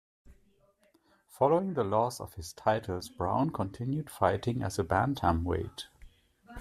Following the loss of his titles, Brown continued fighting as a bantamweight.